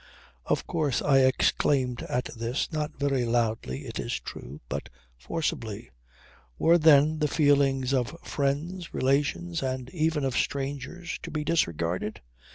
Of course I exclaimed at this, not very loudly it is true, but forcibly. Were then the feelings of friends, relations and even of strangers to be disregarded?